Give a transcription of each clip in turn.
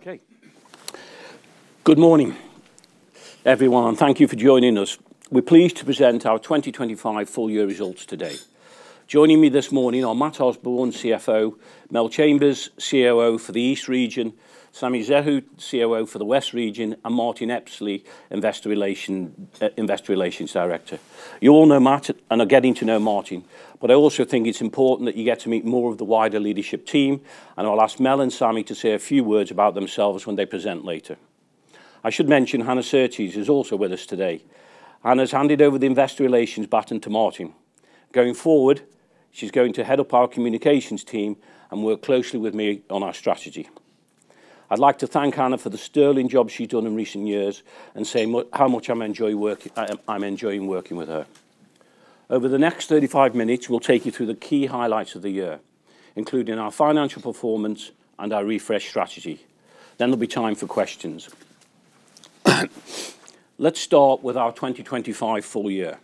Okay. Good morning, everyone, and thank you for joining us. We're pleased to present our 2025 full year results today. Joining me this morning are Matt Osborne, CFO, Mel Chambers, COO for the East region, Samy Zekhout, COO for the West region, and Martyn Espley, Investor Relations Director. You all know Matt and are getting to know Martyn, but I also think it's important that you get to meet more of the wider leadership team, and I'll ask Mel and Samy to say a few words about themselves when they present later. I should mention Hannah Surtees is also with us today. Hannah's handed over the investor relations back on to Martyn. Going forward, she's going to head up our communications team and work closely with me on our strategy. I'd like to thank Hannah for the sterling job she's done in recent years and say how much I'm enjoying working with her. Over the next 35 minutes, we'll take you through the key highlights of the year, including our financial performance and our refresh strategy. Then there'll be time for questions. Let's start with our 2025 full year.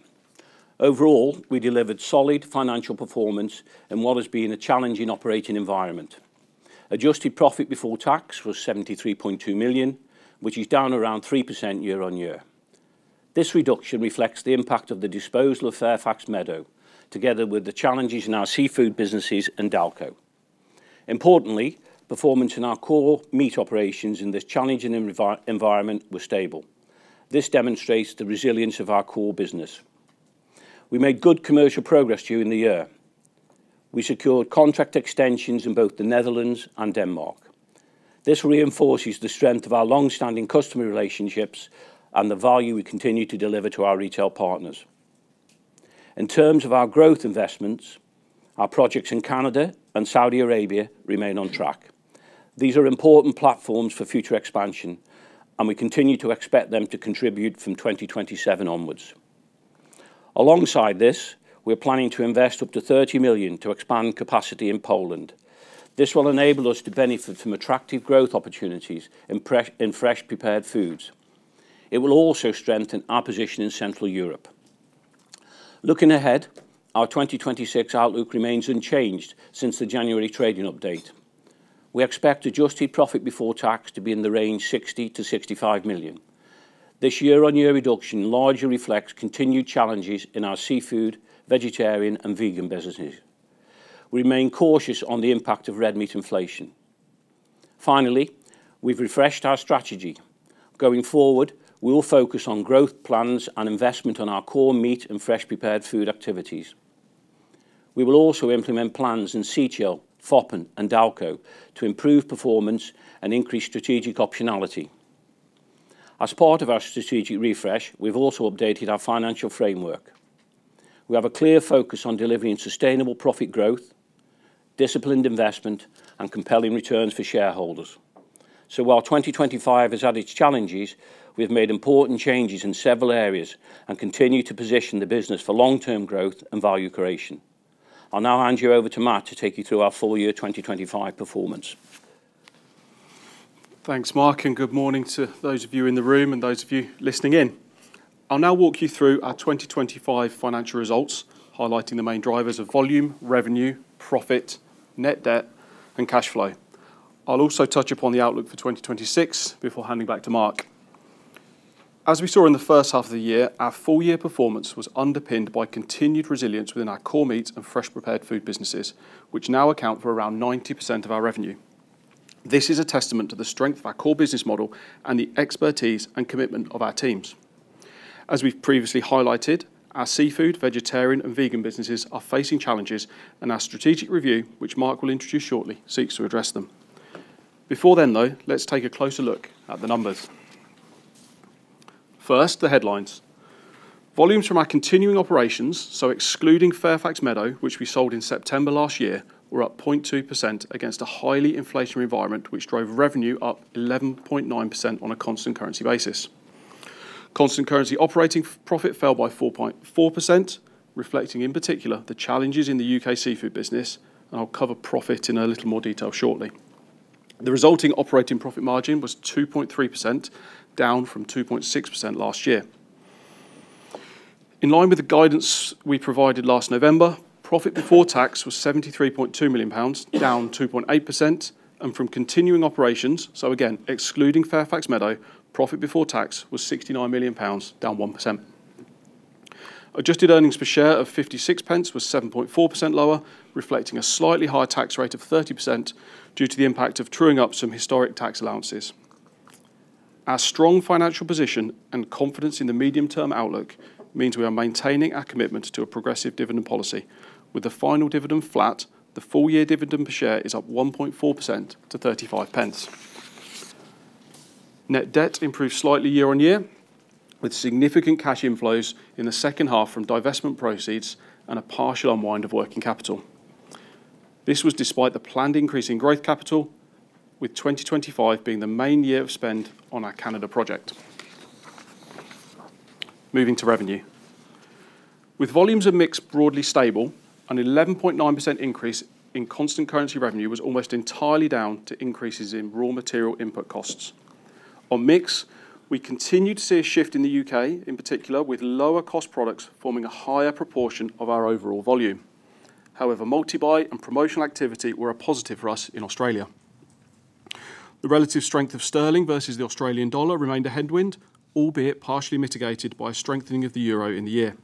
Overall, we delivered solid financial performance in what has been a challenging operating environment. Adjusted profit before tax was 73.2 million, which is down around 3% year-on-year. This reduction reflects the impact of the disposal of Fairfax Meadow, together with the challenges in our seafood businesses and Dalco. Importantly, performance in our core meat operations in this challenging environment were stable. This demonstrates the resilience of our core business. We made good commercial progress during the year. We secured contract extensions in both the Netherlands and Denmark. This reinforces the strength of our long-standing customer relationships and the value we continue to deliver to our retail partners. In terms of our growth investments, our projects in Canada and Saudi Arabia remain on track. These are important platforms for future expansion, and we continue to expect them to contribute from 2027 onwards. Alongside this, we're planning to invest up to 30 million to expand capacity in Poland. This will enable us to benefit from attractive growth opportunities in fresh prepared foods. It will also strengthen our position in Central Europe. Looking ahead, our 2026 outlook remains unchanged since the January trading update. We expect adjusted profit before tax to be in the range 60 million-65 million. This year-on-year reduction largely reflects continued challenges in our seafood, vegetarian, and vegan businesses. Remain cautious on the impact of red meat inflation. Finally, we've refreshed our strategy. Going forward, we will focus on growth plans and investment on our core meat and fresh prepared food activities. We will also implement plans in Seachill, Foppen, and Dalco to improve performance and increase strategic optionality. As part of our strategic refresh, we've also updated our financial framework. We have a clear focus on delivering sustainable profit growth, disciplined investment, and compelling returns for shareholders. While 2025 has had its challenges, we've made important changes in several areas and continue to position the business for long-term growth and value creation. I'll now hand you over to Matt to take you through our full year 2025 performance. Thanks, Mark, and good morning to those of you in the room and those of you listening in. I'll now walk you through our 2025 financial results, highlighting the main drivers of volume, revenue, profit, net debt, and cash flow. I'll also touch upon the outlook for 2026 before handing back to Mark. As we saw in the first half of the year, our full year performance was underpinned by continued resilience within our core meats and fresh prepared food businesses, which now account for around 90% of our revenue. This is a testament to the strength of our core business model and the expertise and commitment of our teams. As we've previously highlighted, our seafood, vegetarian, and vegan businesses are facing challenges, and our strategic review, which Mark will introduce shortly, seeks to address them. Before then, though, let's take a closer look at the numbers. First, the headlines. Volumes from our continuing operations, so excluding Fairfax Meadow, which we sold in September last year, were up 0.2% against a highly inflationary environment, which drove revenue up 11.9% on a constant currency basis. Constant currency operating profit fell by 4.4%, reflecting, in particular, the challenges in the U.K. seafood business. I'll cover profit in a little more detail shortly. The resulting operating profit margin was 2.3%, down from 2.6% last year. In line with the guidance we provided last November, profit before tax was 73.2 million pounds, down 2.8%, and from continuing operations, so again, excluding Fairfax Meadow, profit before tax was 69 million pounds, down 1%. Adjusted earnings per share of 0.56 was 7.4% lower, reflecting a slightly higher tax rate of 30% due to the impact of truing up some historic tax allowances. Our strong financial position and confidence in the medium-term outlook means we are maintaining our commitment to a progressive dividend policy. With the final dividend flat, the full year dividend per share is up 1.4% to 0.35. Net debt improved slightly year-on-year, with significant cash inflows in the second half from divestment proceeds and a partial unwind of working capital. This was despite the planned increase in growth capital, with 2025 being the main year of spend on our Canada project. Moving to revenue. With volumes of mix broadly stable, an 11.9% increase in constant currency revenue was almost entirely down to increases in raw material input costs. On mix, we continue to see a shift in the U.K., in particular, with lower cost products forming a higher proportion of our overall volume. However, multi-buy and promotional activity were a positive for us in Australia. The relative strength of sterling versus the Australian dollar remained a headwind, albeit partially mitigated by a strengthening of the euro in the year.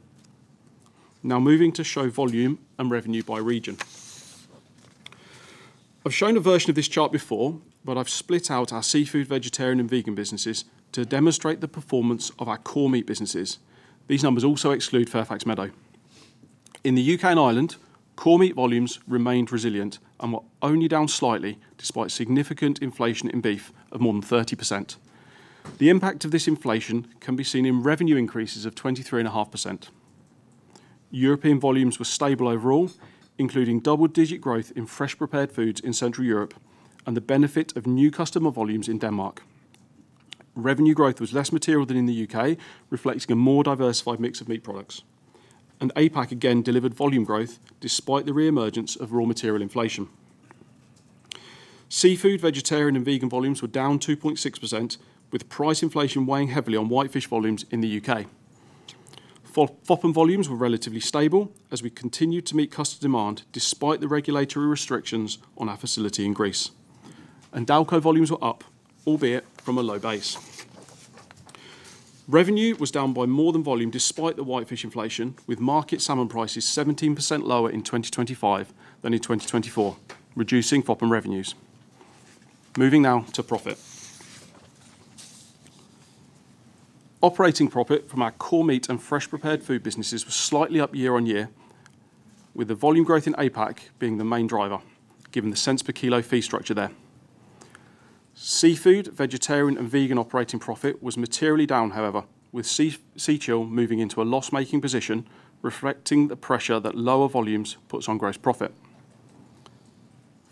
Now moving to show volume and revenue by region. I've shown a version of this chart before, but I've split out our seafood, vegetarian, and vegan businesses to demonstrate the performance of our core meat businesses. These numbers also exclude Fairfax Meadow. In the U.K. and Ireland, core meat volumes remained resilient and were only down slightly despite significant inflation in beef of more than 30%. The impact of this inflation can be seen in revenue increases of 23.5%. European volumes were stable overall, including double-digit growth in fresh prepared foods in Central Europe and the benefit of new customer volumes in Denmark. Revenue growth was less material than in the U.K., reflecting a more diversified mix of meat products. APAC again delivered volume growth despite the re-emergence of raw material inflation. Seafood, vegetarian, and vegan volumes were down 2.6%, with price inflation weighing heavily on whitefish volumes in the U.K. Foppen volumes were relatively stable as we continued to meet customer demand despite the regulatory restrictions on our facility in Greece. Dalco volumes were up, albeit from a low base. Revenue was down by more than volume despite the whitefish inflation, with market salmon prices 17% lower in 2025 than in 2024, reducing Foppen revenues. Moving now to profit. Operating profit from our core meat and fresh prepared food businesses was slightly up year on year, with the volume growth in APAC being the main driver, given the cents per kilo fee structure there. Seafood, vegetarian, and vegan operating profit was materially down, however, with Seachill moving into a loss-making position, reflecting the pressure that lower volumes puts on gross profit.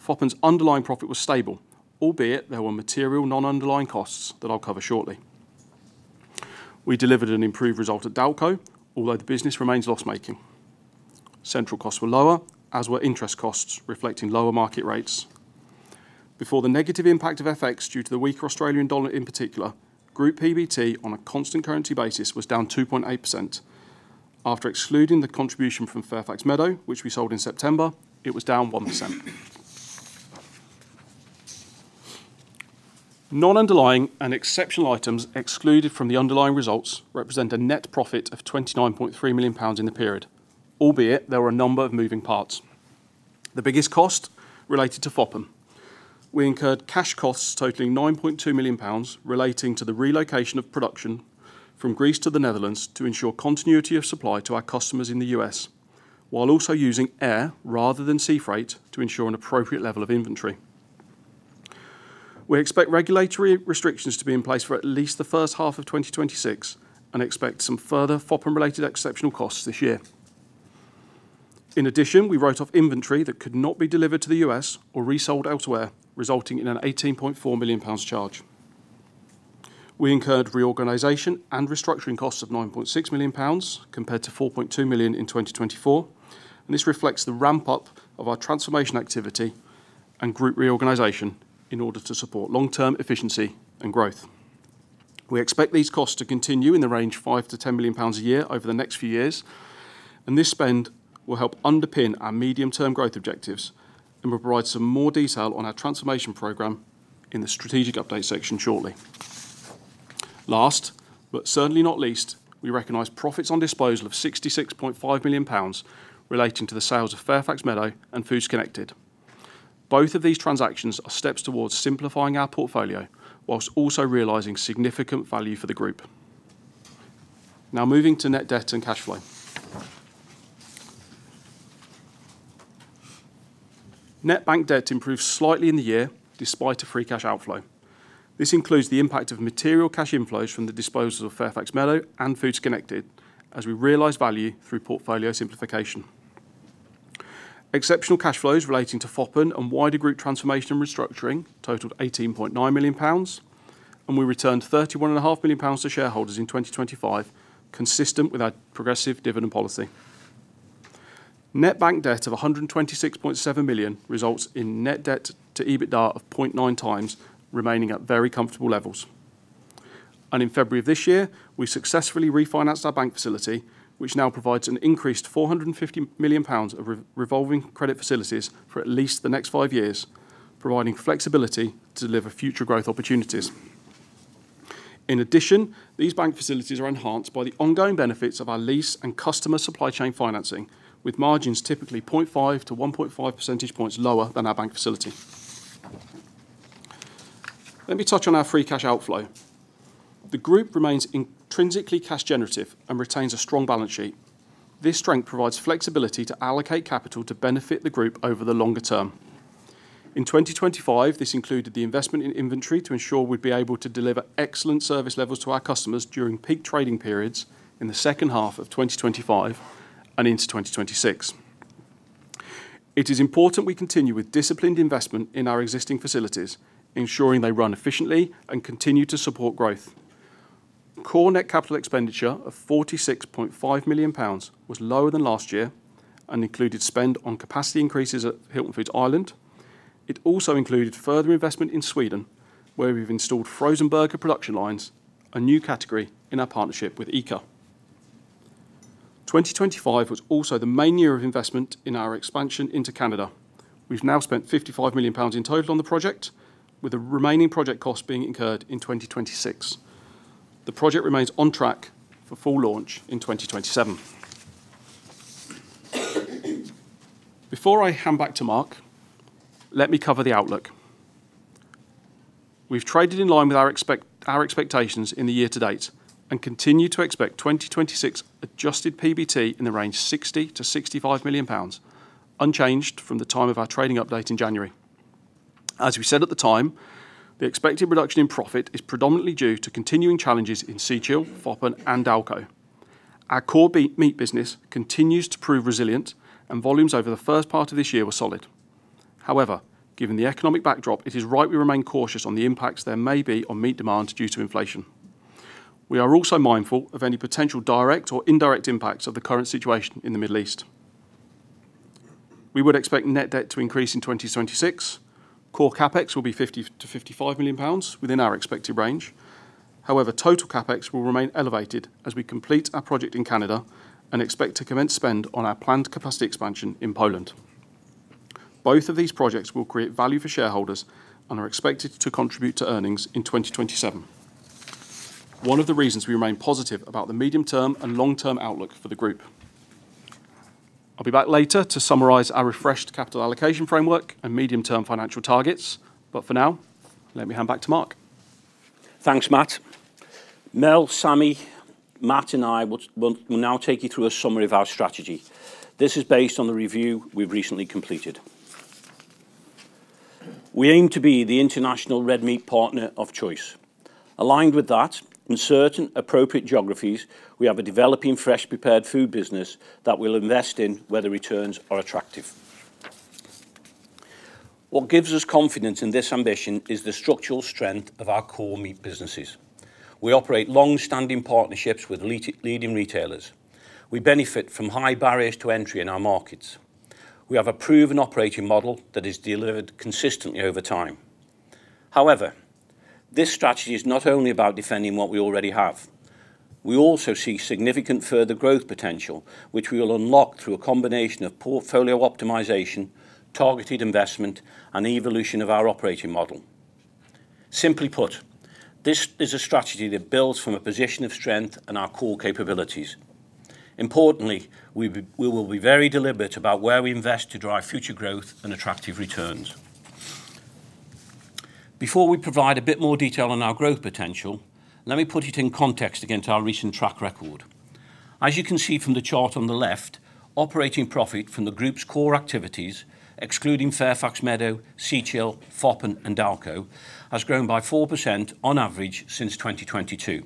Foppen's underlying profit was stable, albeit there were material non-underlying costs that I'll cover shortly. We delivered an improved result at Dalco, although the business remains loss-making. Central costs were lower, as were interest costs, reflecting lower market rates. Before the negative impact of FX due to the weaker Australian dollar in particular, group PBT on a constant currency basis was down 2.8%. After excluding the contribution from Fairfax Meadow, which we sold in September, it was down 1%. Non-underlying and exceptional items excluded from the underlying results represent a net profit of 29.3 million pounds in the period, albeit there were a number of moving parts. The biggest cost related to Foppen. We incurred cash costs totaling 9.2 million pounds relating to the relocation of production from Greece to the Netherlands to ensure continuity of supply to our customers in the U.S., while also using air rather than sea freight to ensure an appropriate level of inventory. We expect regulatory restrictions to be in place for at least the first half of 2026 and expect some further Foppen-related exceptional costs this year. In addition, we wrote off inventory that could not be delivered to the U.S. or resold elsewhere, resulting in a GBP 18.4 million charge. We incurred reorganization and restructuring costs of GBP 9.6 million compared to GBP 4.2 million in 2024, and this reflects the ramp-up of our transformation activity and group reorganization in order to support long-term efficiency and growth. We expect these costs to continue in the range of 5 million-10 million pounds a year over the next few years, and this spend will help underpin our medium-term growth objectives and will provide some more detail on our transformation program in the strategic update section shortly. Last, but certainly not least, we recognize profits on disposal of 66.5 million pounds relating to the sales of Fairfax Meadow and Foods Connected. Both of these transactions are steps towards simplifying our portfolio while also realizing significant value for the group. Now moving to net debt and cash flow. Net bank debt improved slightly in the year despite a free cash outflow. This includes the impact of material cash inflows from the disposals of Fairfax Meadow and Foods Connected as we realize value through portfolio simplification. Exceptional cash flows relating to Foppen and wider group transformation restructuring totaled 18.9 million pounds, and we returned 31.5 million pounds to shareholders in 2025, consistent with our progressive dividend policy. Net bank debt of 126.7 million results in net debt-to-EBITDA of 0.9x, remaining at very comfortable levels. In February of this year, we successfully refinanced our bank facility, which now provides an increased 450 million pounds of revolving credit facilities for at least the next five years, providing flexibility to deliver future growth opportunities. In addition, these bank facilities are enhanced by the ongoing benefits of our lease and customer supply chain financing, with margins typically 0.5 to 1.5 percentage points lower than our bank facility. Let me touch on our free cash outflow. The group remains intrinsically cash generative and retains a strong balance sheet. This strength provides flexibility to allocate capital to benefit the group over the longer term. In 2025, this included the investment in inventory to ensure we'd be able to deliver excellent service levels to our customers during peak trading periods in the second half of 2025 and into 2026. It is important we continue with disciplined investment in our existing facilities, ensuring they run efficiently and continue to support growth. Core net capital expenditure of 46.5 million pounds was lower than last year and included spend on capacity increases at Hilton Foods Ireland. It also included further investment in Sweden, where we've installed frozen burger production lines, a new category in our partnership with ICA. 2025 was also the main year of investment in our expansion into Canada. We've now spent GBP 55 million in total on the project, with the remaining project cost being incurred in 2026. The project remains on track for full launch in 2027. Before I hand back to Mark, let me cover the outlook. We've traded in line with our expectations in the year to date and continue to expect 2026 adjusted PBT in the range 60 million-65 million pounds, unchanged from the time of our trading update in January. As we said at the time, the expected reduction in profit is predominantly due to continuing challenges in Seachill, Foppen, and Dalco. Our core meat business continues to prove resilient and volumes over the first part of this year were solid. However, given the economic backdrop, it is right we remain cautious on the impacts there may be on meat demand due to inflation. We are also mindful of any potential direct or indirect impacts of the current situation in the Middle East. We would expect net debt to increase in 2026. Core CapEx will be 50 million-55 million pounds within our expected range. However, total CapEx will remain elevated as we complete our project in Canada and expect to commence spend on our planned capacity expansion in Poland. Both of these projects will create value for shareholders and are expected to contribute to earnings in 2027, one of the reasons we remain positive about the medium-term and long-term outlook for the group. I'll be back later to summarize our refreshed capital allocation framework and medium-term financial targets. For now, let me hand back to Mark. Thanks, Matt. Mel, Samy, Matt, and I will now take you through a summary of our strategy. This is based on the review we've recently completed. We aim to be the international red meat partner of choice. Aligned with that, in certain appropriate geographies, we have a developing fresh prepared food business that we'll invest in whether returns are attractive. What gives us confidence in this ambition is the structural strength of our core meat businesses. We operate long-standing partnerships with leading retailers. We benefit from high barriers to entry in our markets. We have a proven operating model that is delivered consistently over time. However, this strategy is not only about defending what we already have. We also see significant further growth potential, which we will unlock through a combination of portfolio optimization, targeted investment, and evolution of our operating model. Simply put, this is a strategy that builds from a position of strength and our core capabilities. Importantly, we will be very deliberate about where we invest to drive future growth and attractive returns. Before we provide a bit more detail on our growth potential, let me put it in context against our recent track record. As you can see from the chart on the left, operating profit from the group's core activities, excluding Fairfax Meadow, Seachill, Foppen, and Dalco, has grown by 4% on average since 2022.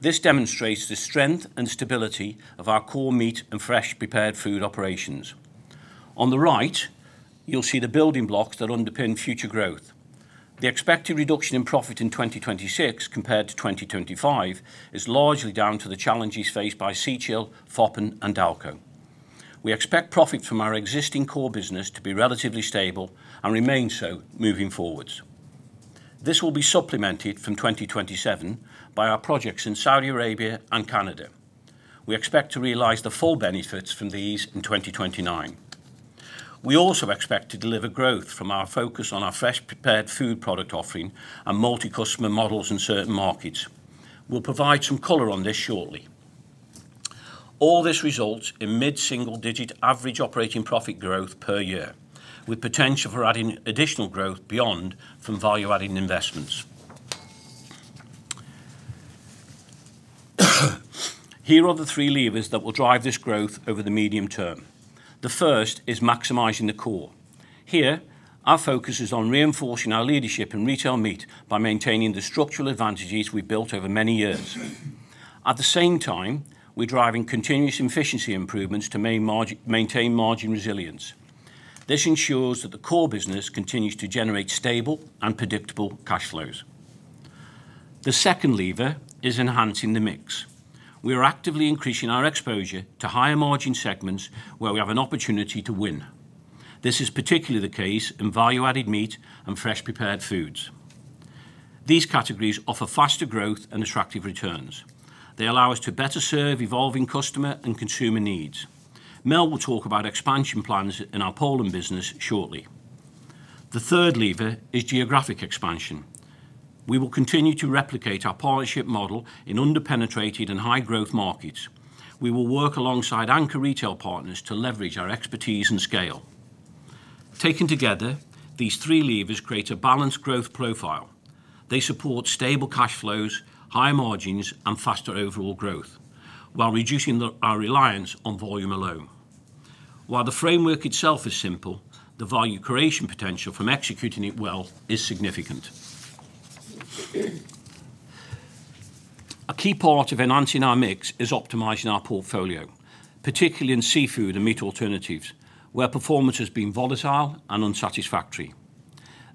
This demonstrates the strength and stability of our core meat and fresh prepared food operations. On the right, you'll see the building blocks that underpin future growth. The expected reduction in profit in 2026 compared to 2025 is largely down to the challenges faced by Seachill, Foppen, and Dalco. We expect profit from our existing core business to be relatively stable and remain so moving forward. This will be supplemented from 2027 by our projects in Saudi Arabia and Canada. We expect to realize the full benefits from these in 2029. We also expect to deliver growth from our focus on our fresh prepared food product offering and multi-customer models in certain markets. We'll provide some color on this shortly. All this results in mid-single-digit average operating profit growth per year, with potential for adding additional growth beyond from value-adding investments. Here are the three levers that will drive this growth over the medium term. The first is maximizing the core. Here, our focus is on reinforcing our leadership in retail meat by maintaining the structural advantages we built over many years. At the same time, we're driving continuous efficiency improvements to maintain margin resilience. This ensures that the core business continues to generate stable and predictable cash flows. The second lever is enhancing the mix. We are actively increasing our exposure to higher margin segments where we have an opportunity to win. This is particularly the case in value-added meat and fresh prepared foods. These categories offer faster growth and attractive returns. They allow us to better serve evolving customer and consumer needs. Mel will talk about expansion plans in our Poland business shortly. The third lever is geographic expansion. We will continue to replicate our partnership model in under-penetrated and high-growth markets. We will work alongside anchor retail partners to leverage our expertise and scale. Taken together, these three levers create a balanced growth profile. They support stable cash flows, high margins, and faster overall growth while reducing our reliance on volume alone. While the framework itself is simple, the value creation potential from executing it well is significant. A key part of enhancing our mix is optimizing our portfolio, particularly in seafood and meat alternatives, where performance has been volatile and unsatisfactory.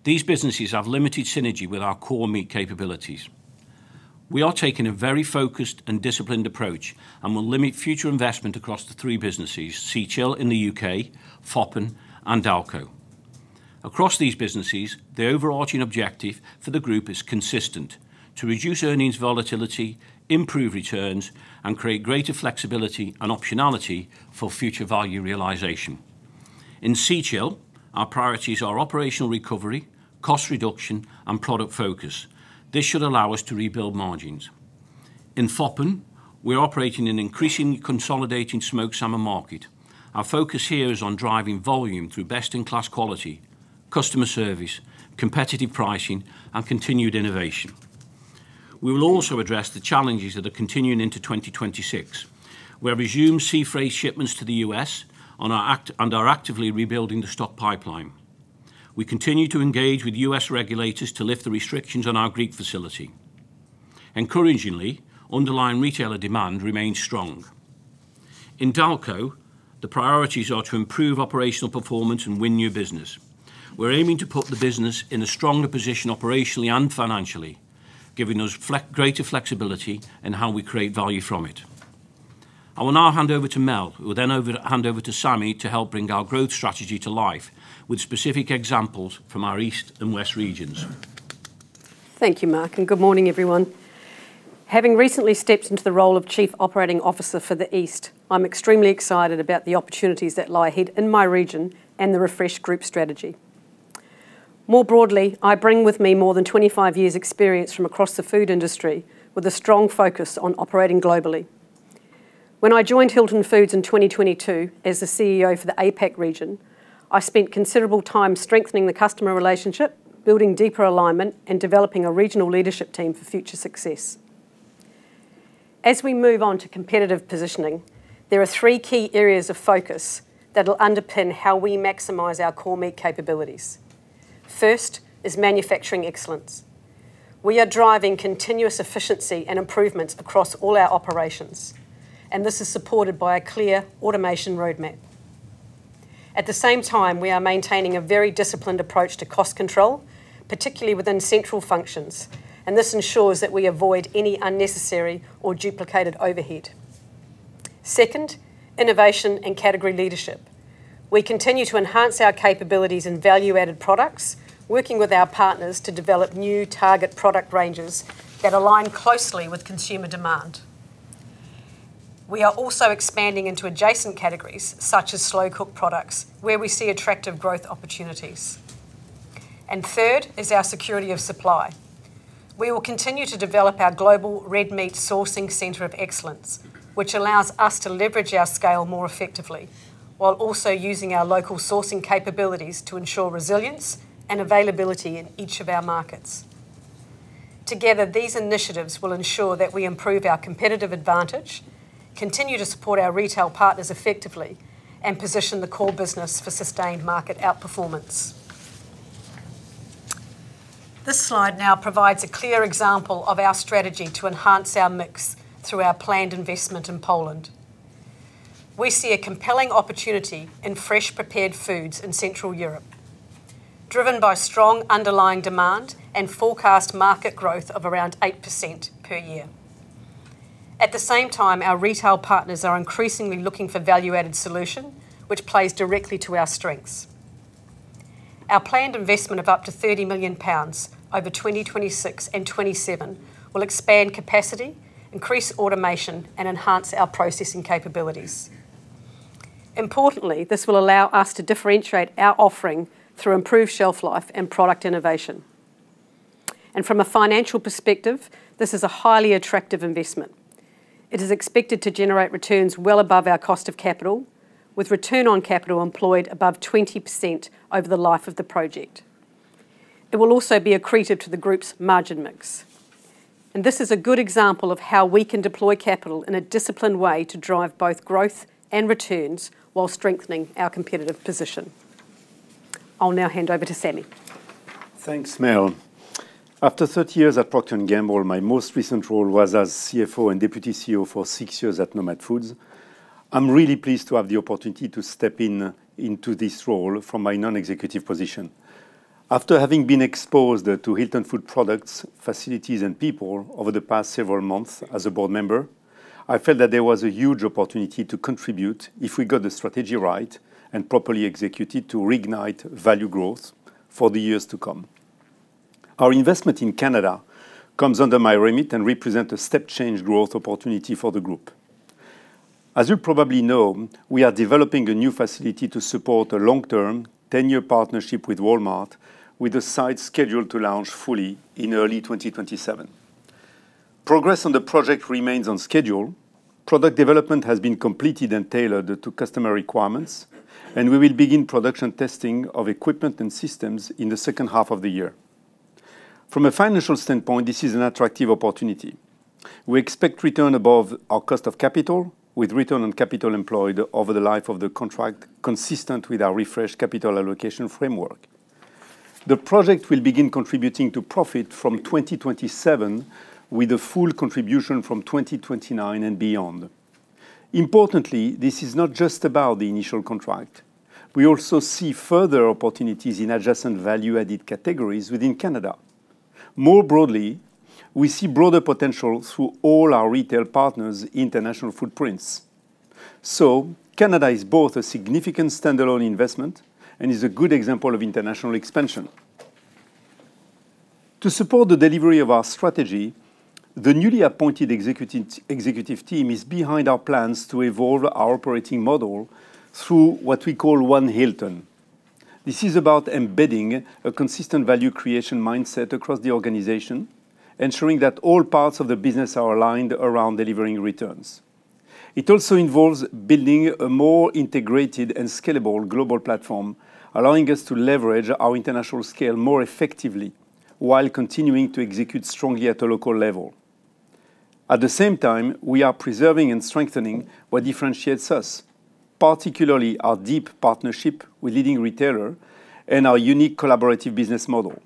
These businesses have limited synergy with our core meat capabilities. We are taking a very focused and disciplined approach, and will limit future investment across the three businesses, Seachill in the U.K., Foppen and Dalco. Across these businesses, the overarching objective for the group is consistent, to reduce earnings volatility, improve returns, and create greater flexibility and optionality for future value realization. In Seachill, our priorities are operational recovery, cost reduction, and product focus. This should allow us to rebuild margins. In Foppen, we're operating an increasingly consolidating smoked salmon market. Our focus here is on driving volume through best-in-class quality, customer service, competitive pricing, and continued innovation. We will also address the challenges that are continuing into 2026. We have resumed sea freight shipments to the U.S. and are actively rebuilding the stock pipeline. We continue to engage with U.S. regulators to lift the restrictions on our Greek facility. Encouragingly, underlying retailer demand remains strong. In Dalco, the priorities are to improve operational performance and win new business. We're aiming to put the business in a stronger position operationally and financially, giving us greater flexibility in how we create value from it. I will now hand over to Mel, who will then hand over to Samy to help bring our growth strategy to life with specific examples from our East and West regions. Thank you, Mark, and good morning, everyone. Having recently stepped into the role of Chief Operating Officer for the East, I'm extremely excited about the opportunities that lie ahead in my region and the refreshed group strategy. More broadly, I bring with me more than 25 years' experience from across the food industry with a strong focus on operating globally. When I joined Hilton Foods in 2022 as the CEO for the APAC region, I spent considerable time strengthening the customer relationship, building deeper alignment, and developing a regional leadership team for future success. As we move on to competitive positioning, there are three key areas of focus that will underpin how we maximize our core meat capabilities. First is manufacturing excellence. We are driving continuous efficiency and improvements across all our operations, and this is supported by a clear automation roadmap. At the same time, we are maintaining a very disciplined approach to cost control, particularly within central functions, and this ensures that we avoid any unnecessary or duplicated overhead. Second, innovation and category leadership. We continue to enhance our capabilities in value-added products, working with our partners to develop new target product ranges that align closely with consumer demand. We are also expanding into adjacent categories such as slow-cooked products where we see attractive growth opportunities. Third is our security of supply. We will continue to develop our global red meat sourcing center of excellence, which allows us to leverage our scale more effectively while also using our local sourcing capabilities to ensure resilience and availability in each of our markets. Together, these initiatives will ensure that we improve our competitive advantage, continue to support our retail partners effectively, and position the core business for sustained market outperformance. This slide now provides a clear example of our strategy to enhance our mix through our planned investment in Poland. We see a compelling opportunity in fresh prepared foods in Central Europe, driven by strong underlying demand and forecast market growth of around 8% per year. At the same time, our retail partners are increasingly looking for value-added solution, which plays directly to our strengths. Our planned investment of up to 30 million pounds over 2026 and 2027 will expand capacity, increase automation, and enhance our processing capabilities. Importantly, this will allow us to differentiate our offering through improved shelf life and product innovation. From a financial perspective, this is a highly attractive investment. It is expected to generate returns well above our cost of capital, with return on capital employed above 20% over the life of the project. It will also be accretive to the group's margin mix. This is a good example of how we can deploy capital in a disciplined way to drive both growth and returns while strengthening our competitive position. I'll now hand over to Samy. Thanks, Mel. After 30 years at Procter & Gamble, my most recent role was as CFO and Deputy CEO for six years at Nomad Foods. I'm really pleased to have the opportunity to step in, into this role from my non-executive position. After having been exposed to Hilton Food products, facilities, and people over the past several months as a board member, I felt that there was a huge opportunity to contribute if we got the strategy right and properly executed to reignite value growth for the years to come. Our investment in Canada comes under my remit and represent a step-change growth opportunity for the group. As you probably know, we are developing a new facility to support a long-term 10-year partnership with Walmart, with the site scheduled to launch fully in early 2027. Progress on the project remains on schedule. Product development has been completed and tailored to customer requirements, and we will begin production testing of equipment and systems in the second half of the year. From a financial standpoint, this is an attractive opportunity. We expect return above our cost of capital, with return on capital employed over the life of the contract consistent with our refreshed capital allocation framework. The project will begin contributing to profit from 2027, with a full contribution from 2029 and beyond. Importantly, this is not just about the initial contract. We also see further opportunities in adjacent value-added categories within Canada. More broadly, we see broader potential through all our retail partners' international footprints. Canada is both a significant standalone investment and is a good example of international expansion. To support the delivery of our strategy, the newly appointed executive team is behind our plans to evolve our operating model through what we call One Hilton. This is about embedding a consistent value creation mindset across the organization, ensuring that all parts of the business are aligned around delivering returns. It also involves building a more integrated and scalable global platform, allowing us to leverage our international scale more effectively while continuing to execute strongly at a local level. At the same time, we are preserving and strengthening what differentiates us, particularly our deep partnership with leading retailer and our unique collaborative business model.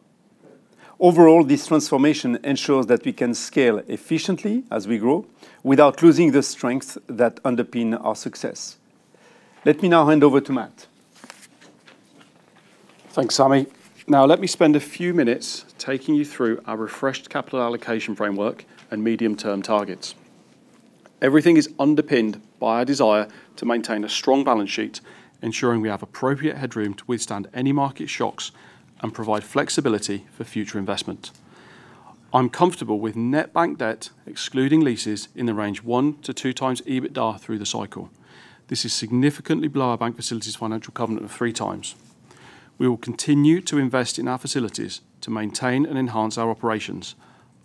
Overall, this transformation ensures that we can scale efficiently as we grow without losing the strength that underpin our success. Let me now hand over to Matt. Thanks, Samy. Now let me spend a few minutes taking you through our refreshed capital allocation framework and medium-term targets. Everything is underpinned by a desire to maintain a strong balance sheet, ensuring we have appropriate headroom to withstand any market shocks and provide flexibility for future investment. I'm comfortable with net bank debt, excluding leases, in the range 1x-2x EBITDA through the cycle. This is significantly below our bank facilities financial covenant of 3x. We will continue to invest in our facilities to maintain and enhance our operations,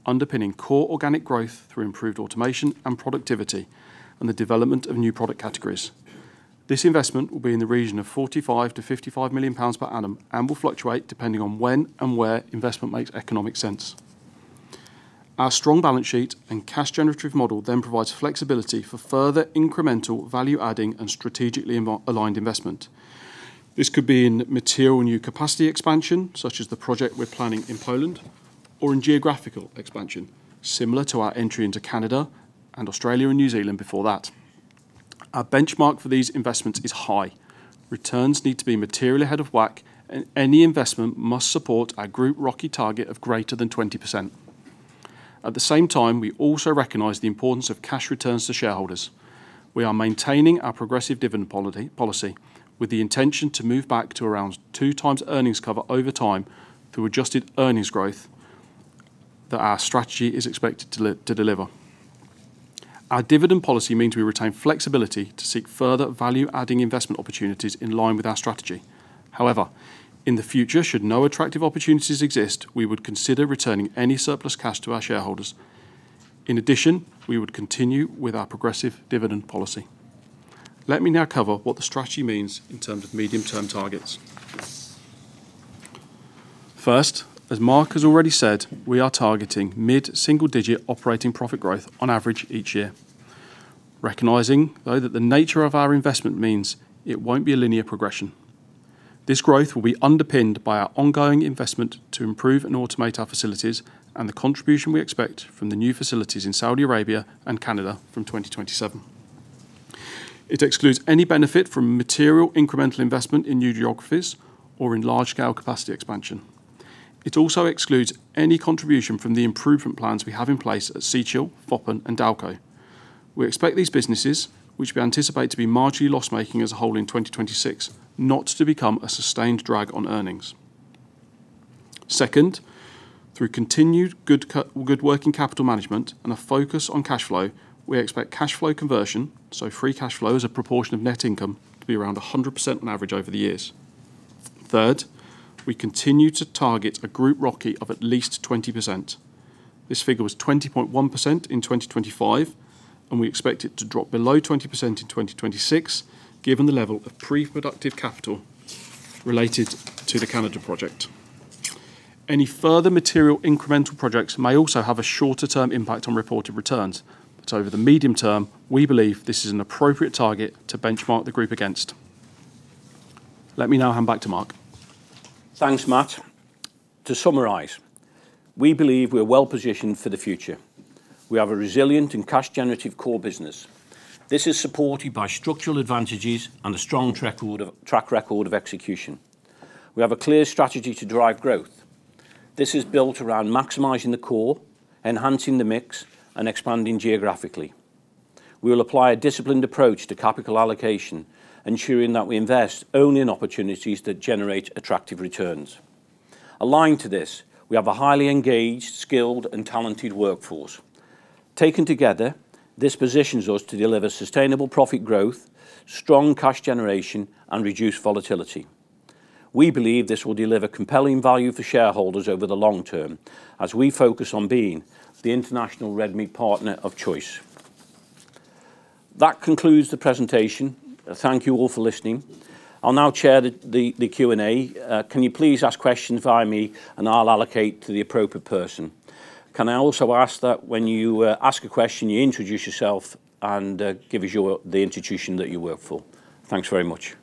underpinning core organic growth through improved automation and productivity, and the development of new product categories. This investment will be in the region of 45 million-55 million pounds per annum and will fluctuate depending on when and where investment makes economic sense. Our strong balance sheet and cash generative model provides flexibility for further incremental value-adding and strategically aligned investment. This could be in material new capacity expansion, such as the project we're planning in Poland, or in geographical expansion, similar to our entry into Canada and Australia and New Zealand before that. Our benchmark for these investments is high. Returns need to be materially ahead of WACC, and any investment must support our group ROCE target of greater than 20%. At the same time, we also recognize the importance of cash returns to shareholders. We are maintaining our progressive dividend policy with the intention to move back to around two times earnings cover over time through adjusted earnings growth that our strategy is expected to deliver. Our dividend policy means we retain flexibility to seek further value-adding investment opportunities in line with our strategy. However, in the future, should no attractive opportunities exist, we would consider returning any surplus cash to our shareholders. In addition, we would continue with our progressive dividend policy. Let me now cover what the strategy means in terms of medium-term targets. First, as Mark has already said, we are targeting mid-single digit operating profit growth on average each year. Recognizing, though, that the nature of our investment means it won't be a linear progression. This growth will be underpinned by our ongoing investment to improve and automate our facilities and the contribution we expect from the new facilities in Saudi Arabia and Canada from 2027. It excludes any benefit from material incremental investment in new geographies or in large scale capacity expansion. It also excludes any contribution from the improvement plans we have in place at Seachill, Foppen and Dalco. We expect these businesses, which we anticipate to be marginally loss-making as a whole in 2026, not to become a sustained drag on earnings. Second, through continued good working capital management and a focus on cash flow, we expect cash flow conversion, so free cash flow as a proportion of net income, to be around 100% on average over the years. Third, we continue to target a group ROCE of at least 20%. This figure was 20.1% in 2025, and we expect it to drop below 20% in 2026, given the level of pre-productive capital related to the Canada project. Any further material incremental projects may also have a shorter-term impact on reported returns. Over the medium term, we believe this is an appropriate target to benchmark the group against. Let me now hand back to Mark. Thanks, Matt. To summarize, we believe we are well positioned for the future. We have a resilient and cash generative core business. This is supported by structural advantages and a strong track record of execution. We have a clear strategy to drive growth. This is built around maximizing the core, enhancing the mix, and expanding geographically. We will apply a disciplined approach to capital allocation, ensuring that we invest only in opportunities that generate attractive returns. Aligned to this, we have a highly engaged, skilled, and talented workforce. Taken together, this positions us to deliver sustainable profit growth, strong cash generation, and reduced volatility. We believe this will deliver compelling value for shareholders over the long term as we focus on being the international red meat partner of choice. That concludes the presentation. Thank you all for listening. I'll now chair the Q&A. Can you please ask questions via me, and I'll allocate to the appropriate person. Can I also ask that when you ask a question, you introduce yourself and give us the institution that you work for? Thanks very much.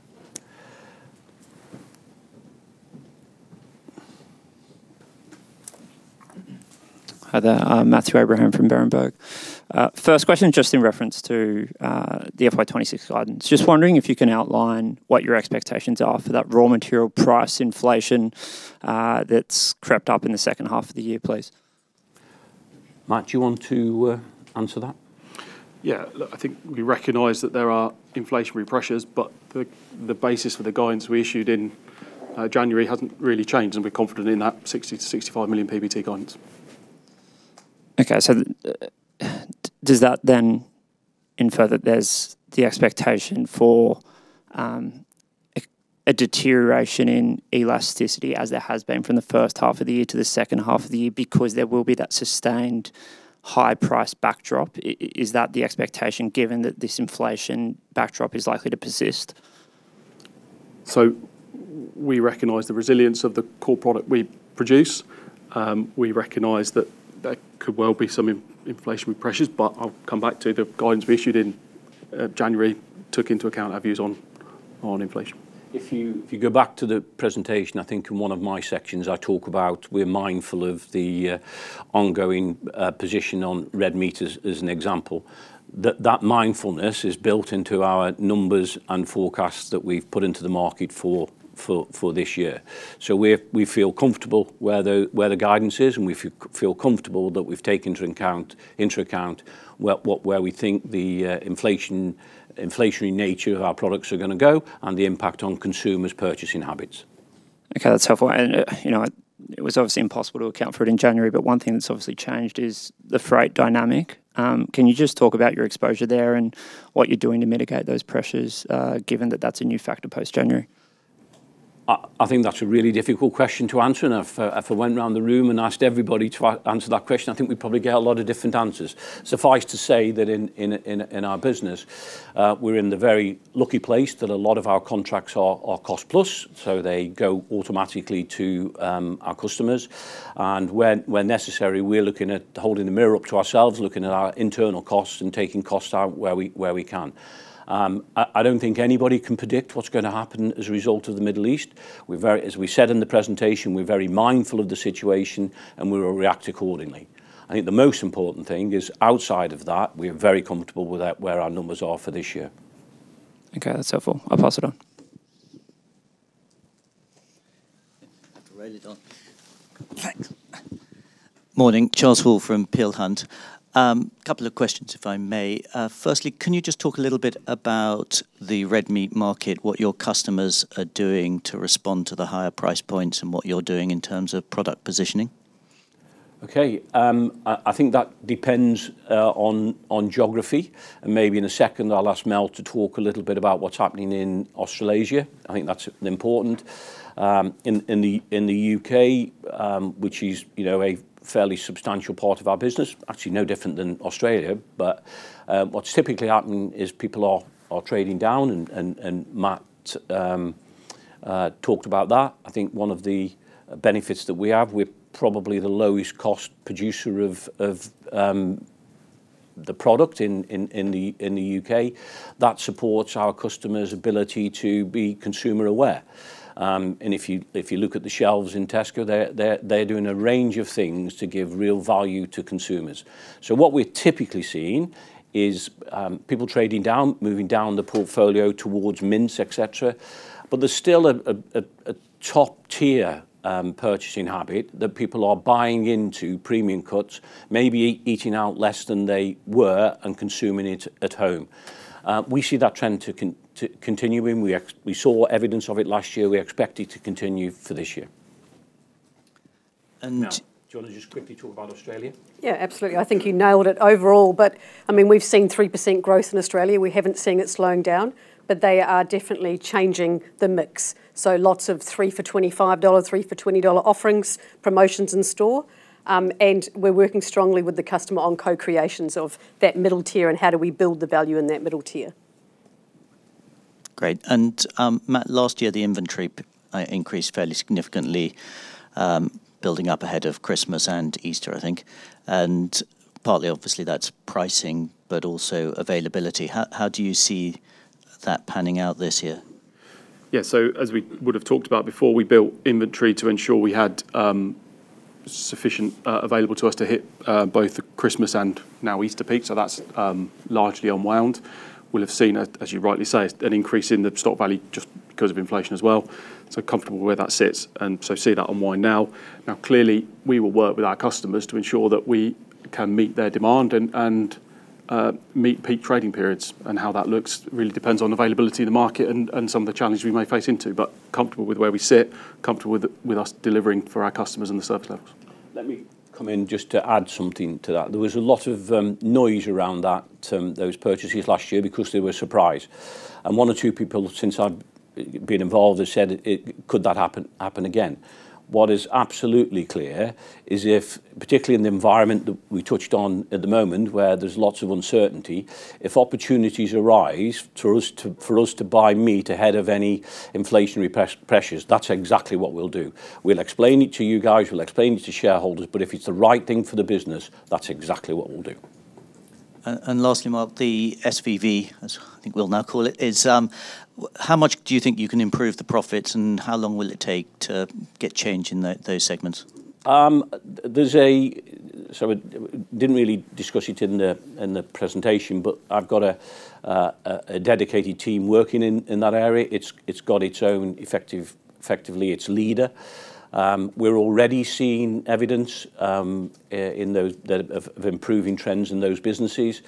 Hi there. I'm Matthew Abraham from Berenberg. First question just in reference to the FY 2026 guidance. Just wondering if you can outline what your expectations are for that raw material price inflation that's crept up in the second half of the year, please. Matt, do you want to answer that? Yeah. Look, I think we recognize that there are inflationary pressures, but the basis for the guidance we issued in January hasn't really changed, and we're confident in that 60 million-65 million PBT guidance. Okay. Does that then infer that there's the expectation for a deterioration in elasticity as there has been from the first half of the year to the second half of the year because there will be that sustained high price backdrop? Is that the expectation given that this inflation backdrop is likely to persist? We recognize the resilience of the core product we produce. We recognize that there could well be some inflationary pressures, but I'll come back to the guidance we issued in January took into account our views on inflation. If you go back to the presentation, I think in one of my sections I talk about we're mindful of the ongoing position on red meat as an example. That mindfulness is built into our numbers and forecasts that we've put into the market for this year. We're comfortable where the guidance is, and we feel comfortable that we've taken into account what we think the inflationary nature of our products are gonna go and the impact on consumers' purchasing habits. Okay. That's helpful. You know, it was obviously impossible to account for it in January, but one thing that's obviously changed is the freight dynamic. Can you just talk about your exposure there and what you're doing to mitigate those pressures, given that that's a new factor post-January? I think that's a really difficult question to answer. Now if I went around the room and asked everybody to answer that question, I think we'd probably get a lot of different answers. Suffice to say that in our business, we're in the very lucky place that a lot of our contracts are cost plus, so they go automatically to our customers. When necessary, we're looking at holding the mirror up to ourselves, looking at our internal costs and taking costs out where we can. I don't think anybody can predict what's gonna happen as a result of the Middle East. As we said in the presentation, we're very mindful of the situation and we will react accordingly. I think the most important thing is, outside of that, we're very comfortable with where our numbers are for this year. Okay. That's helpful. I'll pass it on. Thanks. Morning. Charles Hall from Peel Hunt. Couple of questions, if I may. Firstly, can you just talk a little bit about the red meat market, what your customers are doing to respond to the higher price points and what you're doing in terms of product positioning? Okay. I think that depends on geography. Maybe in a second I'll ask Mel to talk a little bit about what's happening in Australasia. I think that's important. In the U.K., which is, you know, a fairly substantial part of our business, actually no different than Australia, but what's typically happening is people are trading down and Matt talked about that. I think one of the benefits that we have, we're probably the lowest cost producer of the product in the U.K. That supports our customers' ability to be consumer aware. If you look at the shelves in Tesco, they're doing a range of things to give real value to consumers. What we're typically seeing is people trading down, moving down the portfolio towards mince, et cetera. There's still a top-tier purchasing habit that people are buying into premium cuts, maybe eating out less than they were and consuming it at home. We see that trend continuing. We saw evidence of it last year. We expect it to continue for this year. Mel, do you wanna just quickly talk about Australia? Yeah, absolutely. I think you nailed it overall. I mean, we've seen 3% growth in Australia. We haven't seen it slowing down, but they are definitely changing the mix. Lots of three for 25 dollars, three for AUD 20 offerings, promotions in store. We're working strongly with the customer on co-creations of that middle tier and how do we build the value in that middle tier. Great. Matt, last year the inventory increased fairly significantly, building up ahead of Christmas and Easter, I think. Partly obviously that's pricing but also availability. How do you see that panning out this year? Yeah. As we would have talked about before, we built inventory to ensure we had sufficient available to us to hit both the Christmas and now Easter peak. That's largely unwound. We'll have seen, as you rightly say, an increase in the stock value just because of inflation as well. Comfortable where that sits, and so see that unwind now. Clearly, we will work with our customers to ensure that we can meet their demand and meet peak trading periods. How that looks really depends on availability in the market and some of the challenges we may face into. Comfortable with where we sit, comfortable with us delivering for our customers and the service levels. Let me come in just to add something to that. There was a lot of noise around that, those purchases last year because they were a surprise. One or two people since I've been involved have said, "Could that happen again?" What is absolutely clear is if, particularly in the environment that we touched on at the moment, where there's lots of uncertainty, if opportunities arise for us to buy meat ahead of any inflationary pressures, that's exactly what we'll do. We'll explain it to you guys, we'll explain it to shareholders, but if it's the right thing for the business, that's exactly what we'll do. Lastly, Mark, the SVV, as I think we'll now call it, how much do you think you can improve the profits and how long will it take to get change in those segments? It didn't really discuss it in the presentation, but I've got a dedicated team working in that area. It's got its own effective leader. We're already seeing evidence of improving trends in those businesses.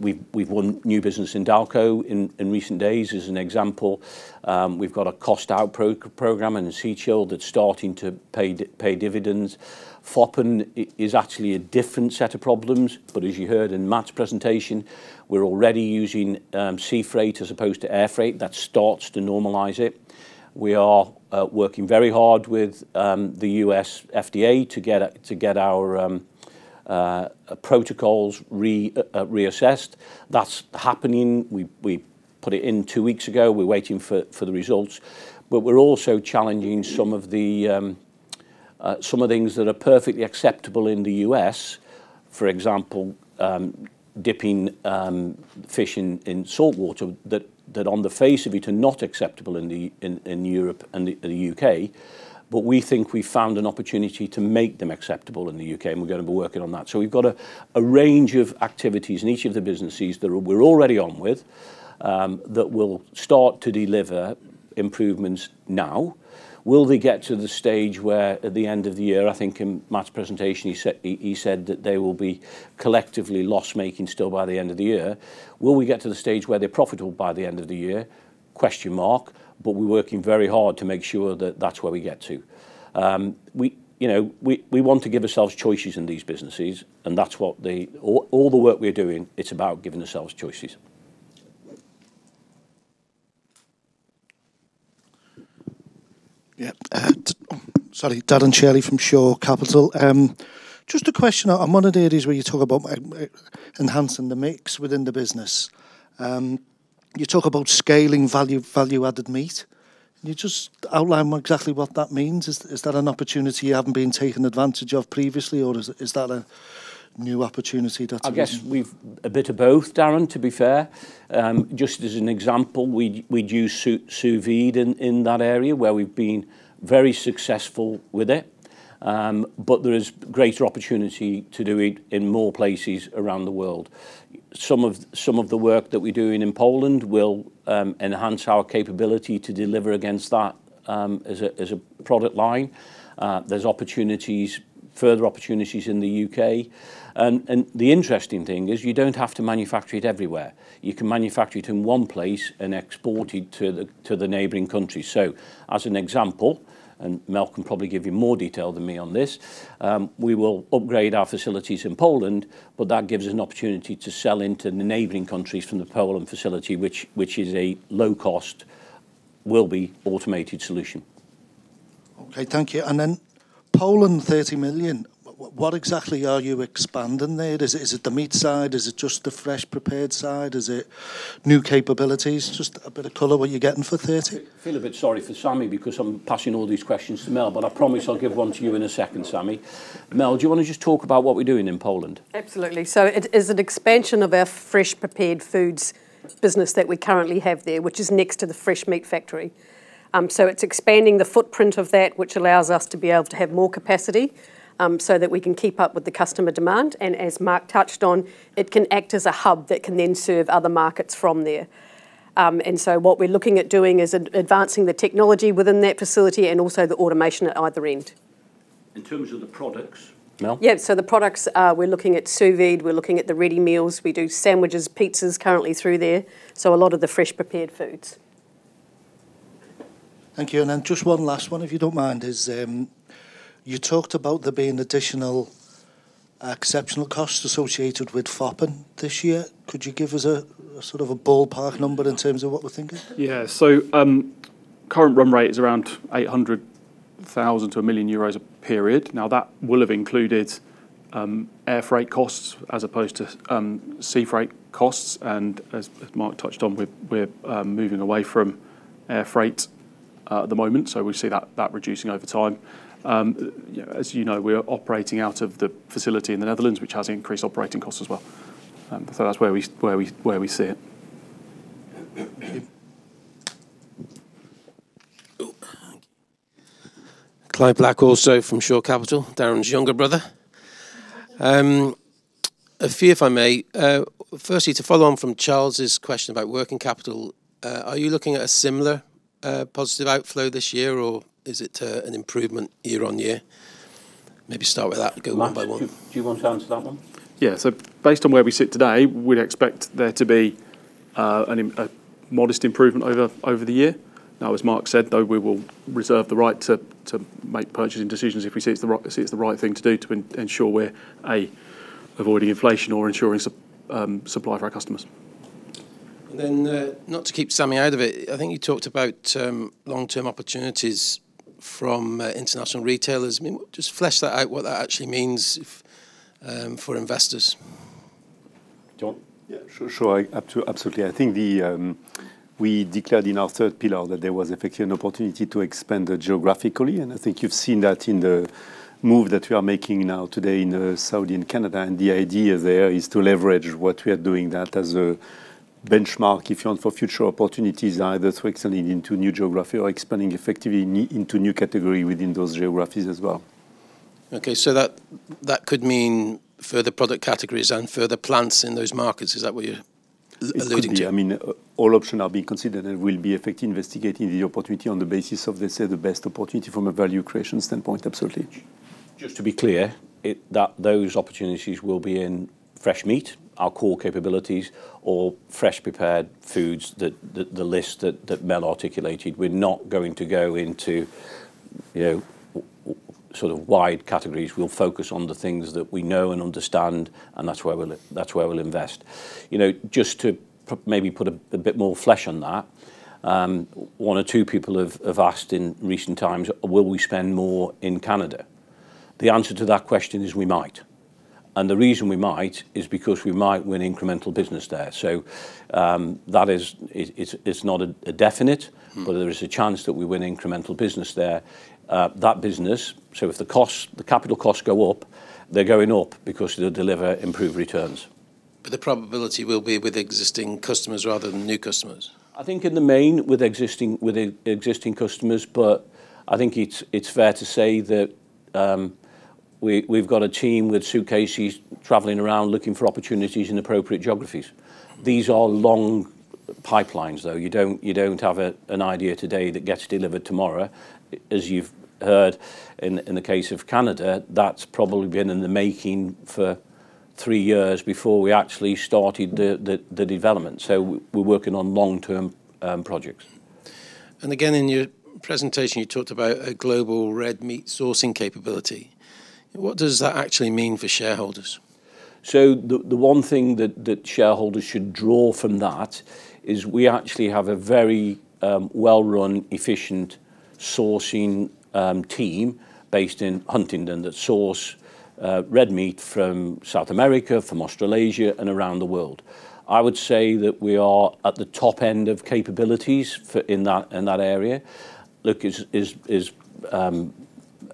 We've won new business in Dalco in recent days as an example. We've got a cost-out program in Seachill that's starting to pay dividends. Foppen is actually a different set of problems. As you heard in Matt's presentation, we're already using sea freight as opposed to air freight. That starts to normalize it. We are working very hard with the U.S. FDA to get our protocols reassessed. That's happening. We put it in two weeks ago. We're waiting for the results. We're also challenging some of the things that are perfectly acceptable in the U.S., for example, dipping fish in saltwater that on the face of it are not acceptable in Europe and the U.K. We think we found an opportunity to make them acceptable in the U.K., and we're gonna be working on that. We've got a range of activities in each of the businesses that we're already on with that will start to deliver improvements now. Will they get to the stage where at the end of the year, I think in Matt's presentation, he said that they will be collectively loss-making still by the end of the year? Will we get to the stage where they're profitable by the end of the year? Question mark. But we're working very hard to make sure that that's where we get to. You know, we want to give ourselves choices in these businesses, and that's what all the work we're doing, it's about giving ourselves choices. Yeah. Sorry. Darren Shirley from Shore Capital. Just a question on one of the areas where you talk about enhancing the mix within the business. You talk about scaling value-added meat. Can you just outline exactly what that means? Is that an opportunity you haven't been taking advantage of previously, or is that a new opportunity that- I guess we've a bit of both, Darren, to be fair. Just as an example, we'd use sous-vide in that area where we've been very successful with it. But there is greater opportunity to do it in more places around the world. Some of the work that we're doing in Poland will enhance our capability to deliver against that as a product line. There's opportunities, further opportunities in the U.K. The interesting thing is you don't have to manufacture it everywhere. You can manufacture it in one place and export it to the neighboring country. As an example, Mel can probably give you more detail than me on this. We will upgrade our facilities in Poland, but that gives us an opportunity to sell into the neighboring countries from the Poland facility, which is a low cost, will be automated solution. Okay, thank you. Poland 30 million, what exactly are you expanding there? Is it the meat side? Is it just the fresh prepared side? Is it new capabilities? Just a bit of color what you're getting for 30 million. I feel a bit sorry for Samy because I'm passing all these questions to Mel, but I promise I'll give one to you in a second, Samy. Mel, do you wanna just talk about what we're doing in Poland? Absolutely. It is an expansion of our fresh prepared foods business that we currently have there, which is next to the fresh meat factory. It's expanding the footprint of that, which allows us to be able to have more capacity, so that we can keep up with the customer demand. As Mark touched on, it can act as a hub that can then serve other markets from there. What we're looking at doing is advancing the technology within that facility and also the automation at either end. In terms of the products, Mel? Yeah. The products are, we're looking at sous-vide, we're looking at the ready meals. We do sandwiches, pizzas currently through there. A lot of the fresh prepared foods. Thank you. Just one last one, if you don't mind, is you talked about there being additional exceptional costs associated with Foppen this year. Could you give us a sort of ballpark number in terms of what we're thinking? Current run rate is around 800,000-1 million euros a period. Now, that will have included air freight costs as opposed to sea freight costs. As Mark touched on, we're moving away from air freight at the moment, so we see that reducing over time. As you know, we're operating out of the facility in the Netherlands, which has increased operating costs as well. That's where we see it. Thank you. Clive Black, also from Shore Capital, Darren's younger brother. A few if I may. Firstly, to follow on from Charles's question about working capital, are you looking at a similar positive outflow this year, or is it an improvement year-on-year? Maybe start with that and go one by one. Matt, do you want to answer that one? Based on where we sit today, we'd expect there to be a modest improvement over the year. Now, as Mark said, though, we will reserve the right to make purchasing decisions if we see it's the right thing to do to ensure we're avoiding inflation or ensuring supply for our customers. Not to keep Samy out of it, I think you talked about long-term opportunities from international retailers. I mean, just flesh that out what that actually means if for investors. Do you want? Yeah, sure. I absolutely. I think we declared in our third pillar that there was effectively an opportunity to expand geographically, and I think you've seen that in the move that we are making now today in Saudi and Canada, and the idea there is to leverage what we are doing there as a benchmark, if you want, for future opportunities, either to extend into new geography or expanding effectively into new category within those geographies as well. Okay. That could mean further product categories and further plants in those markets. Is that what you're alluding to? It could be. I mean, all options are being considered and will be effectively investigating the opportunity on the basis of, let's say, the best opportunity from a value creation standpoint, absolutely. Just to be clear, that those opportunities will be in fresh meat, our core capabilities or fresh prepared foods that the list that Mel articulated. We're not going to go into, you know, sort of wide categories. We'll focus on the things that we know and understand, and that's where we'll invest. You know, just to maybe put a bit more flesh on that, one or two people have asked in recent times, will we spend more in Canada? The answer to that question is we might. The reason we might is because we might win incremental business there. That is, it's not a definite- Mm. There is a chance that we win incremental business there. That business, so if the costs, the capital costs go up, they're going up because they'll deliver improved returns. The probability will be with existing customers rather than new customers. I think in the main with existing customers. I think it's fair to say that we've got a team with suitcases traveling around looking for opportunities in appropriate geographies. These are long pipelines, though. You don't have an idea today that gets delivered tomorrow. As you've heard in the case of Canada, that's probably been in the making for three years before we actually started the development. We're working on long-term projects. Again, in your presentation, you talked about a global red meat sourcing capability. What does that actually mean for shareholders? The one thing that shareholders should draw from that is we actually have a very well-run, efficient sourcing team based in Huntingdon that source red meat from South America, from Australasia and around the world. I would say that we are at the top end of capabilities in that area. Look, as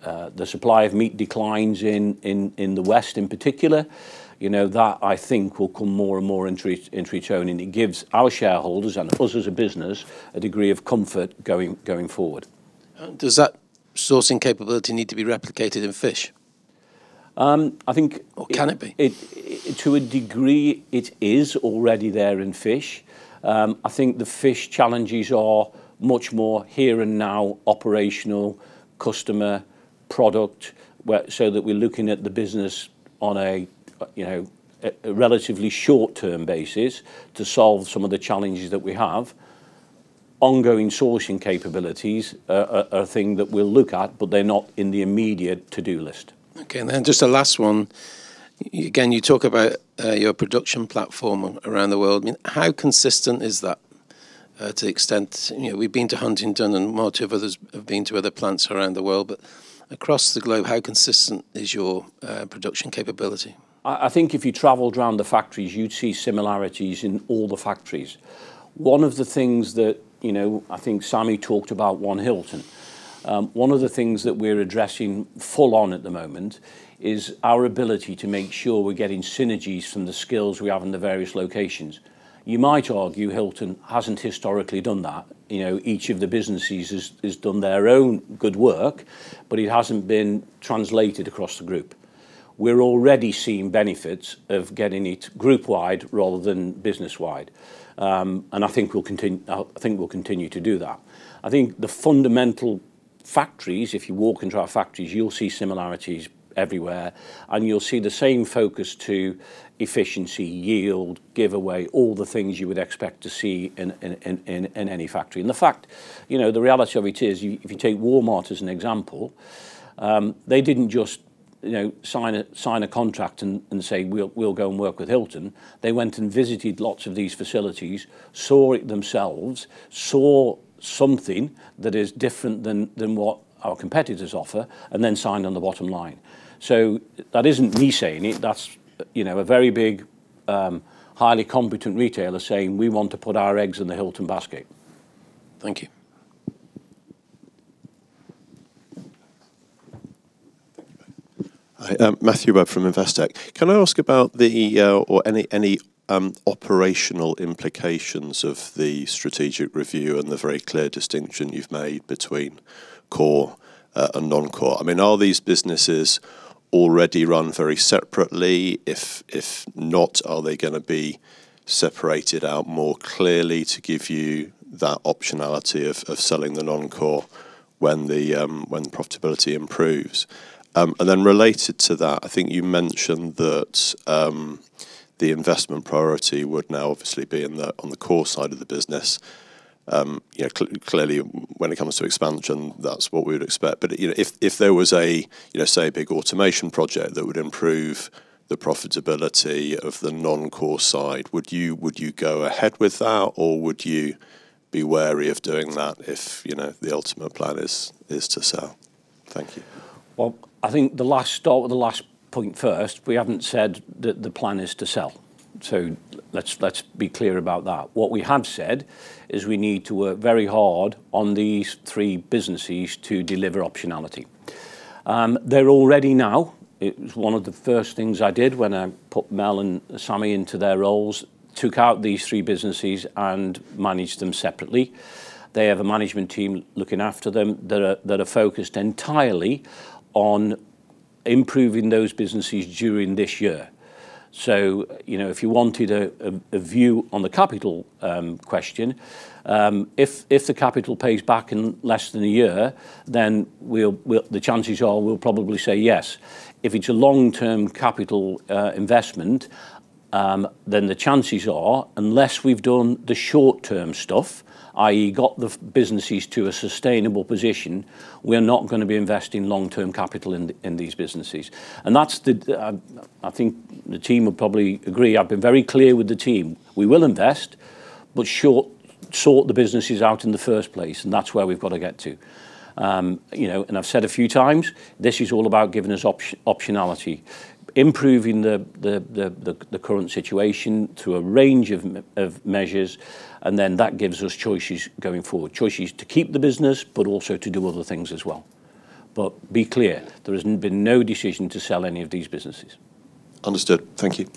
the supply of meat declines in the West in particular, you know, that I think will come more and more into its own and it gives our shareholders and us as a business a degree of comfort going forward. Does that sourcing capability need to be replicated in fish? Um, I think- Can it be? To a degree, it is already there in fish. I think the fish challenges are much more here and now operational customer product, so that we're looking at the business on a you know relatively short-term basis to solve some of the challenges that we have. Ongoing sourcing capabilities are a thing that we'll look at, but they're not in the immediate to-do list. Okay. Just a last one. Again, you talk about your production platform around the world. How consistent is that to the extent, you know, we've been to Huntingdon, and multiple others have been to other plants around the world, but across the globe, how consistent is your production capability? I think if you traveled around the factories, you'd see similarities in all the factories. One of the things that, you know, I think Samy talked about One Hilton. One of the things that we're addressing full on at the moment is our ability to make sure we're getting synergies from the skills we have in the various locations. You might argue Hilton hasn't historically done that. You know, each of the businesses has done their own good work, but it hasn't been translated across the group. We're already seeing benefits of getting it group wide rather than business wide. I think we'll continue to do that. I think the fundamental factories, if you walk into our factories, you'll see similarities everywhere, and you'll see the same focus to efficiency, yield, giveaway, all the things you would expect to see in any factory. The fact, you know, the reality of it is, if you take Walmart as an example, they didn't just, you know, sign a contract and say, "We'll go and work with Hilton." They went and visited lots of these facilities, saw it themselves, saw something that is different than what our competitors offer, and then signed on the bottom line. That isn't me saying it. That's, you know, a very big, highly competent retailer saying, "We want to put our eggs in the Hilton basket. Thank you. Hi. Matthew Webb from Investec. Can I ask about any operational implications of the strategic review and the very clear distinction you've made between core and non-core? I mean, are these businesses already run very separately? If not, are they gonna be separated out more clearly to give you that optionality of selling the non-core when profitability improves? Related to that, I think you mentioned that the investment priority would now obviously be on the core side of the business. You know, clearly when it comes to expansion, that's what we would expect. You know, if there was a, you know, say, a big automation project that would improve the profitability of the non-core side, would you go ahead with that, or would you be wary of doing that if, you know, the ultimate plan is to sell? Thank you. Well, I think start with the last point first. We haven't said that the plan is to sell. Let's be clear about that. What we have said is we need to work very hard on these three businesses to deliver optionality. They're already now. It was one of the first things I did when I put Mel and Samy into their roles, took out these three businesses and managed them separately. They have a management team looking after them that are focused entirely on improving those businesses during this year. You know, if you wanted a view on the capital question, if the capital pays back in less than a year, then we'll the chances are we'll probably say yes. If it's a long-term capital investment, then the chances are, unless we've done the short-term stuff, i.e. got the businesses to a sustainable position, we're not gonna be investing long-term capital in these businesses. That's the. I think the team would probably agree. I've been very clear with the team. We will invest, but sort the businesses out in the first place, and that's where we've got to get to. You know, and I've said a few times, this is all about giving us optionality, improving the current situation through a range of measures, and then that gives us choices going forward, choices to keep the business, but also to do other things as well. Be clear, there has been no decision to sell any of these businesses. Understood. Thank you.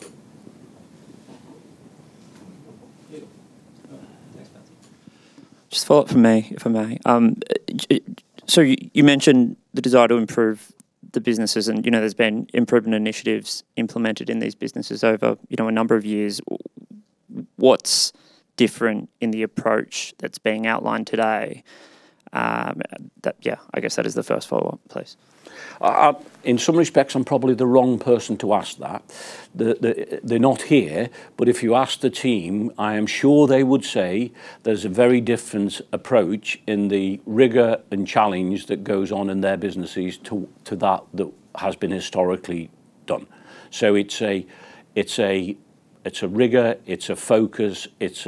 Just a follow-up from me, if I may. You mentioned the desire to improve the businesses, and, you know, there's been improvement initiatives implemented in these businesses over, you know, a number of years. What's different in the approach that's being outlined today? Yeah, I guess that is the first follow-up, please. In some respects, I'm probably the wrong person to ask that. They're not here, but if you ask the team, I am sure they would say there's a very different approach in the rigor and challenge that goes on in their businesses to that has been historically done. It's a rigor, it's a focus, it's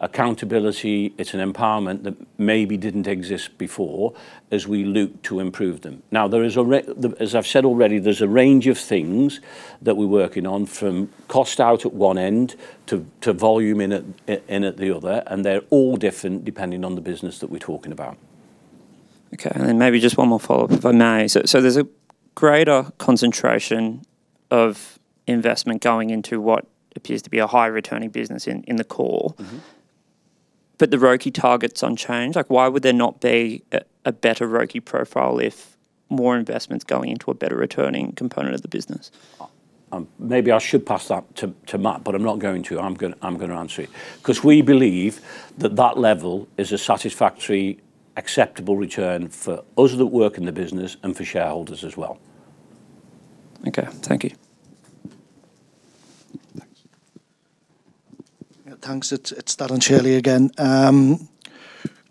accountability, it's an empowerment that maybe didn't exist before as we look to improve them. As I've said already, there's a range of things that we're working on, from cost out at one end to volume in at the other, and they're all different depending on the business that we're talking about. Okay. Then maybe just one more follow-up, if I may. There's a greater concentration of investment going into what appears to be a high returning business in the core. Mm-hmm. The ROCE target's unchanged. Like, why would there not be a better ROCE profile if more investment's going into a better returning component of the business? Maybe I should pass that to Matt, but I'm not going to. I'm gonna answer it. 'Cause we believe that level is a satisfactory, acceptable return for us that work in the business and for shareholders as well. Okay. Thank you. Yeah, thanks. It's Darren Shirley again.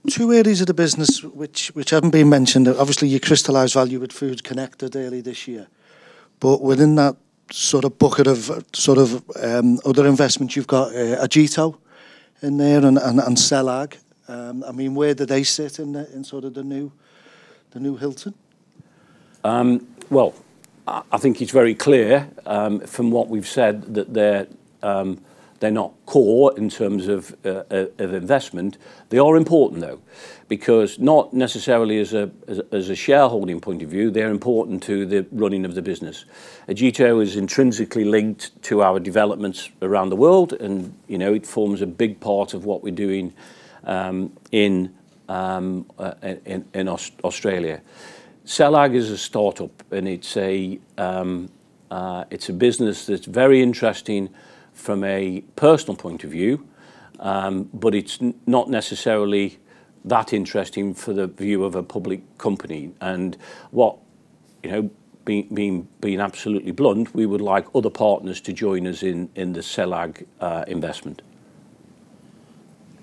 Two areas of the business which haven't been mentioned. Obviously you crystallized value with Foods Connected earlier this year. Within that sort of bucket of sort of other investments, you've got Agito in there and CellAg. I mean, where do they sit in the new Hilton? Well, I think it's very clear from what we've said that they're not core in terms of investment. They are important, though, because not necessarily as a shareholding point of view, they're important to the running of the business. Agito is intrinsically linked to our developments around the world and, you know, it forms a big part of what we're doing in Australia. CellAg is a startup, and it's a business that's very interesting from a personal point of view, but it's not necessarily that interesting for the view of a public company. What, you know, being absolutely blunt, we would like other partners to join us in the CellAg investment.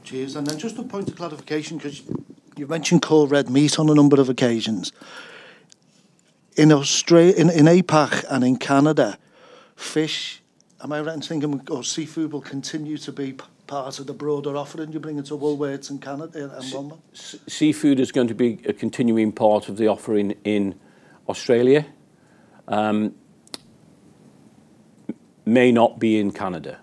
Cheers. Then just a point of clarification, 'cause you've mentioned core red meat on a number of occasions. In Australia, in APAC and in Canada, fish, am I right in thinking, or seafood will continue to be part of the broader offering you're bringing to Woolworths in Canada and Australia? Seafood is going to be a continuing part of the offering in Australia. May not be in Canada.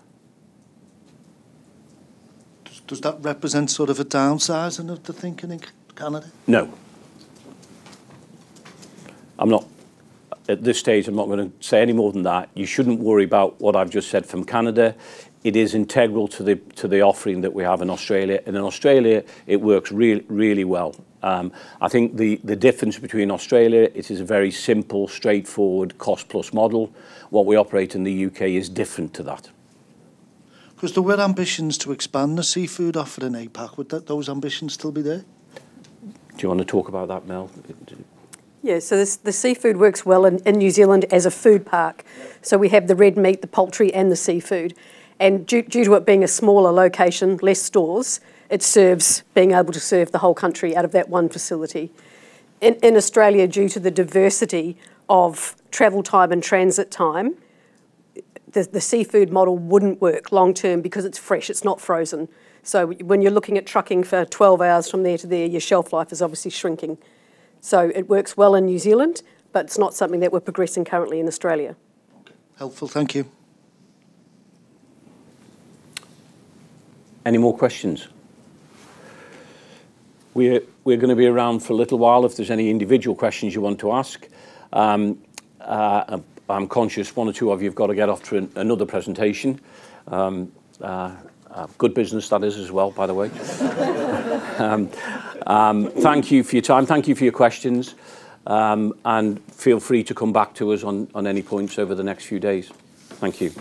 Does that represent sort of a downsizing of the thinking in Canada? No. At this stage, I'm not gonna say any more than that. You shouldn't worry about what I've just said from Canada. It is integral to the offering that we have in Australia. In Australia, it works really well. I think the difference between Australia, it is a very simple, straightforward cost-plus model. What we operate in the U.K. is different to that. 'Cause there were ambitions to expand the seafood offer in APAC. Would those ambitions still be there? Do you wanna talk about that, Mel? The seafood works well in New Zealand as a food park. We have the red meat, the poultry, and the seafood. Due to it being a smaller location, less stores, it serves being able to serve the whole country out of that one facility. In Australia, due to the diversity of travel time and transit time, the seafood model wouldn't work long term because it's fresh, it's not frozen. When you're looking at trucking for 12 hours from there to there, your shelf life is obviously shrinking. It works well in New Zealand, but it's not something that we're progressing currently in Australia. Okay. Helpful. Thank you. Any more questions? We're gonna be around for a little while if there's any individual questions you want to ask. I'm conscious one or two of you have got to get off to another presentation. Good business that is as well, by the way. Thank you for your time. Thank you for your questions. And feel free to come back to us on any points over the next few days. Thank you.